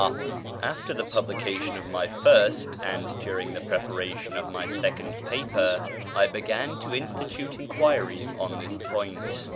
[page xix] After the publication of my first, and during the preparation of my second paper, I began to institute enquiries on this point.